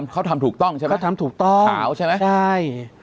เขาทำถูกต้องใช่ไหมเขาทำถูกต้องขาวใช่ไหมใช่